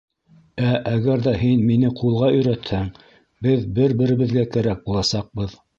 Ә әгәр ҙә һин мине ҡулға өйрәтһәң, беҙ бер беребеҙгә кәрәк буласаҡбыҙ.